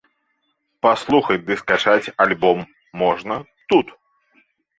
Паслухаць ды скачаць альбом можна тут!